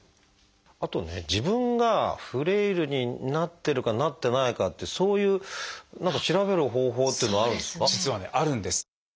あとね自分がフレイルになってるかなってないかってそういう何か調べる方法というのはあるんですか？